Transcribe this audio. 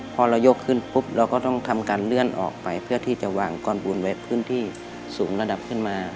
พอเรายกขึ้นปุ๊บเราก็ต้องทำการเลื่อนออกไปเพื่อที่จะวางก้อนปูนไว้พื้นที่สูงระดับขึ้นมา